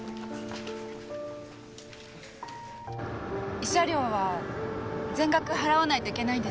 慰謝料は全額払わないといけないんですか？